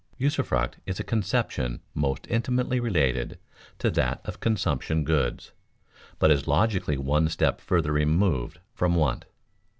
Usufruct is a conception most intimately related to that of consumption goods, but is logically one step further removed from want.